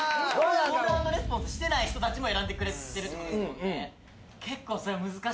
コールアンドレスポンスしてない人たちも選んでくれてるって事ですもんね。